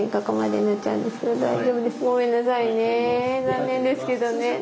残念ですけどね。ね。